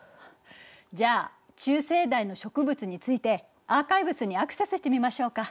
じゃあ中生代の植物についてアーカイブスにアクセスしてみましょうか。